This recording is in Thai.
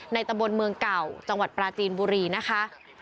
ตะบนเมืองเก่าจังหวัดปราจีนบุรีนะคะ